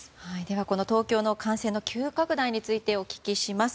この東京の感染の急拡大についてお聞きします。